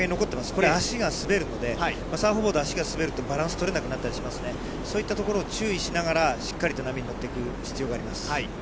これ、足が滑るので、サーフボード、足が滑るとバランス取れなくなったりしますね、そういったところを注意しながら、しっかりと波に乗っていく必要があります。